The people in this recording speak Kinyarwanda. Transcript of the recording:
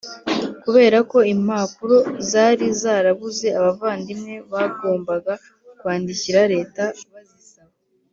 Kubera ko impapuro zari zarabuze abavandimwe bagombaga kwandikira leta bazisaba